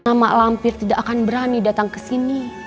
nama lampir tidak akan berani datang kesini